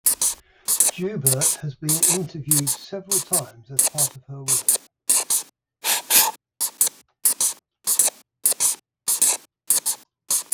Joubert has been interviewed several times as part of her work.